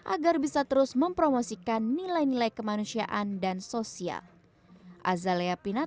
agar bisa terus mempromosikan nilai nilai kemanusiaan dan sosial